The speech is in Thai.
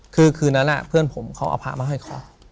คือคืนนั้นเพื่อนผมเขาเอาพระมาห้อยคอ